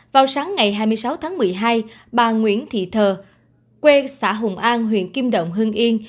vào sáng ngày hai mươi sáu tháng một mươi hai bà nguyễn thị thờ quê xã hùng an huyện kim động hưng yên